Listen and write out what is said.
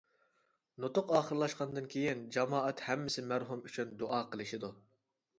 نۇتۇق ئاخىرلاشقاندىن كېيىن جامائەت ھەممىسى مەرھۇم ئۈچۈن دۇئا قىلىشىدۇ.